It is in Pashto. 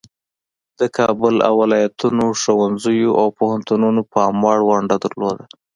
د کابل او ولایاتو ښوونځیو او پوهنتونونو پام وړ ونډه درلوده.